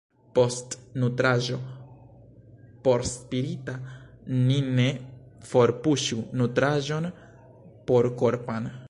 Post nutraĵo porspirita ni ne forpuŝu nutraĵon porkorpan.